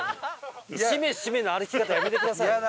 シメシメの歩き方やめてくださいよ。